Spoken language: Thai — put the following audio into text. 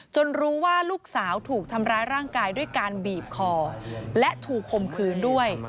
รู้ว่าลูกสาวถูกทำร้ายร่างกายด้วยการบีบคอและถูกคมคืนด้วย